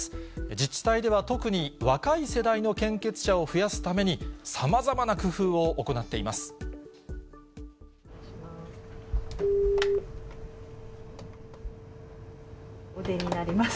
自治体では特に若い世代の献血者を増やすために、さまざまな工夫を行っています。